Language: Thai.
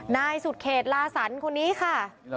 นายสุดเขตลาสันคนนี้ค่ะ